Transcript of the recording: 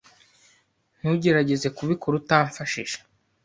Ntugerageze kubikora utamfashije.